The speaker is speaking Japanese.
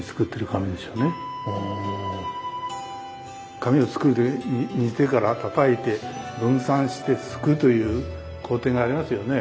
紙を作るときに煮てからたたいて分散してすくうという工程がありますよね。